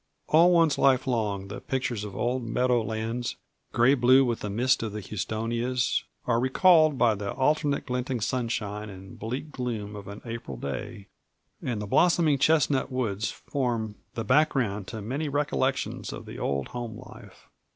All one's life long the pictures of old meadow lands gray blue with the mist of the houstonias are recalled by the alternate glinting sunshine and bleak gloom of an April day; and the blossoming chestnut woods form the background to many recollections of the old home life.